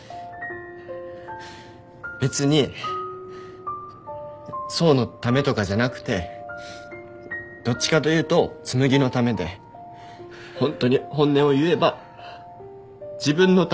別に想のためとかじゃなくてどっちかというと紬のためでホントに本音を言えば自分のため。